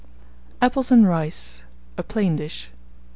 APPLES AND RICE. _(A Plain Dish.)